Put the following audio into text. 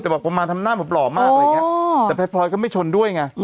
แต่บอกผมมาทำหน้าผมหล่อมากแต่พระพรอยเขาไม่ชนด้วยไง